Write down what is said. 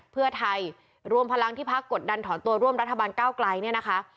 เพื่อไทยรวมพลังที่พักกดดันถอนตัวร่วมรัฐบาลก้าวไกลเนี่ยนะคะ